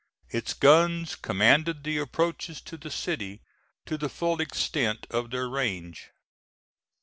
Its guns commanded the approaches to the city to the full extent of their range.